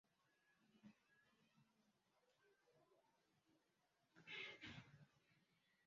dore ko atari yagashyizwe ku mwanya w’ubujyanama bwa Perezida Donald Trump